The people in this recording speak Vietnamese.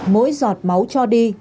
mỗi giọt máu cho đi